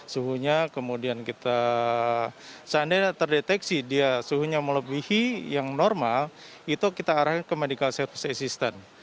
suhunya kemudian kita seandainya terdeteksi dia suhunya melebihi yang normal itu kita arahkan ke medical service assistant